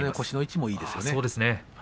腰の位置もいいですね。